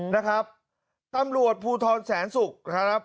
นะครับตำรวจภูทรแสนศุกร์นะครับ